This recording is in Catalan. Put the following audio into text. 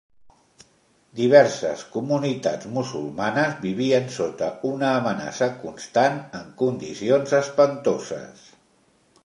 Diverses comunitats musulmanes vivien sota una amenaça constant en condicions espantoses.